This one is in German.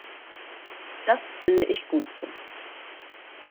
Das finde ich gut so.